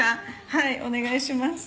「はいお願いします」